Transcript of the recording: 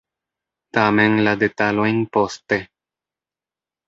Tamen, la detalojn poste.